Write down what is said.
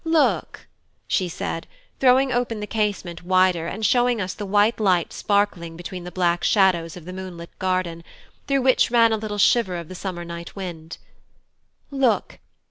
Look!" she said, throwing open the casement wider and showing us the white light sparkling between the black shadows of the moonlit garden, through which ran a little shiver of the summer night wind, "look!